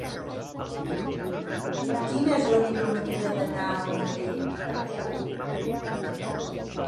Quina és la millor manera d'anar al Morell a peu?